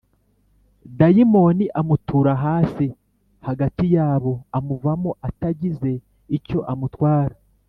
dayimoni amutura hasi hagati yabo, amuvamo atagize icyo amutwara”